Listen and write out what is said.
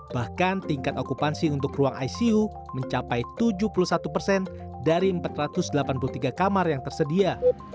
bahkan tingkat okupansi untuk ruang icu mencapai tujuh puluh satu persen dari empat ratus delapan puluh tiga kamar yang tersedia